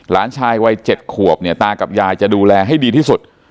หลานชายวัย๗ขวบเนี่ยตากับยายจะดูแลให้ดีที่สุด